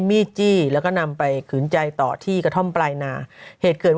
มีดจี้แล้วก็นำไปขืนใจต่อที่กระท่อมปลายนาเหตุเกิด